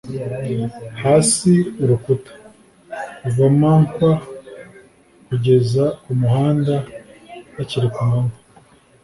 Hasi Urukuta, kuva mankwa kugeza kumuhanda hakiri kumanywa,